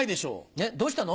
えっどうしたの？